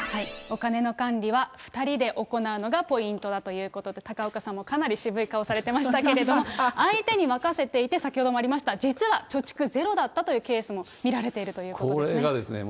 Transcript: お金の管理は２人で行うのがポイントだということで、高岡さんもかなり渋い顔をされてましたけど、相手に任せていて、先ほどもありました、実は貯蓄ゼロだったというケースも見られているということですね。